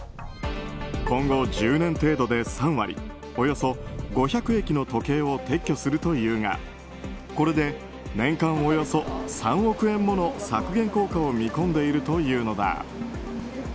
今後１０年程度で３割およそ５００駅の時計を撤去するというがこれで年間およそ３億円もの削減効果を見込んでいるというのだ。